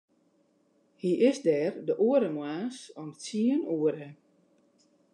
Hy is der de oare moarns om tsien oere.